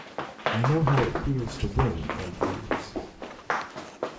I know how it feels to win and lose.